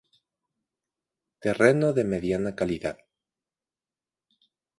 Terreno de mediana calidad.